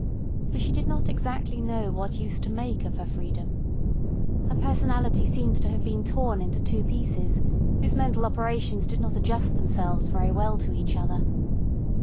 For she did not exactly know what use to make of her freedom. Her personality seemed to have been torn into two pieces, whose mental operations did not adjust themselves very well to each other.